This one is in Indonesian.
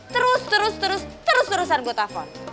terus terus terus terus terusan gua telfon